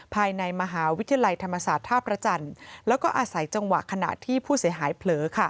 ภายในมหาวิทยาลัยธรรมศาสตร์ท่าพระจันทร์แล้วก็อาศัยจังหวะขณะที่ผู้เสียหายเผลอ